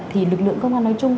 thì lực lượng công an nói chung